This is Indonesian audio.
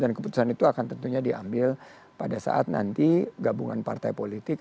dan keputusan itu akan tentunya diambil pada saat nanti gabungan partai politik